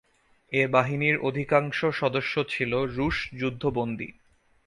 এ বাহিনীর অধিকাংশ সদস্য ছিল রুশ যুদ্ধবন্দী।